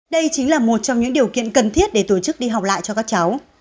đây chính là một trong những điều kiện cần thiết để tổ chức đi học lại cho các cháu